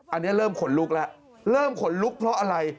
อันนี้เริ่มขนลุกแล้วเริ่มขนลุกเพราะอะไร